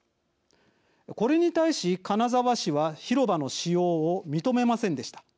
これに対し、金沢市は広場の使用を認めませんでした。